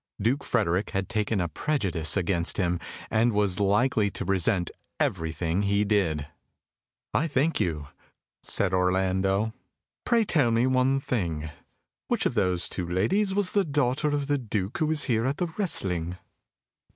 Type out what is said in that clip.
Duke Frederick had taken a prejudice against him, and was likely to resent everything he did. "I thank you," said Orlando. "Pray tell me one thing which of those two ladies was daughter of the Duke who was here at the wrestling?"